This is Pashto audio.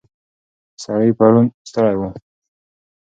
سړی پرون ستړی و.